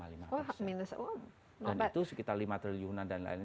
dan itu sekitar lima triliunan dan lain lain